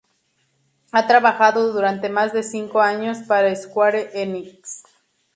Ha trabajado durante más de cinco años para Square Enix.